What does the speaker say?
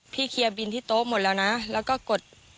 เคลียร์บินที่โต๊ะหมดแล้วนะแล้วก็กด